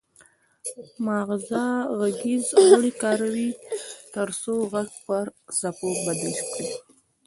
مغزه غږیز غړي کاروي ترڅو غږ پر څپو بدل کړي